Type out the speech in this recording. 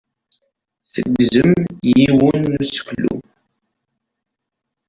Tegzem yiwen n useklu.